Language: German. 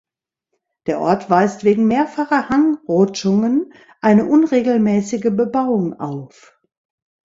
Der Ort weist wegen mehrfacher Hangrutschungen eine unregelmäßige Bebauung auf.